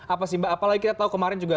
apa sih mbak apalagi kita tahu kemarin juga